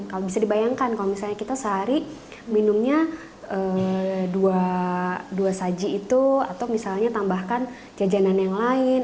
kalau bisa dibayangkan kalau misalnya kita sehari minumnya dua saji itu atau misalnya tambahkan jajanan yang lain